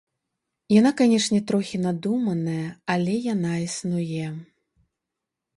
Яна, канешне, трохі надуманая, але яна існуе.